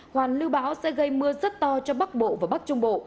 hoàn lưu bão sẽ gây mưa rất to cho bắc bộ và bắc trung bộ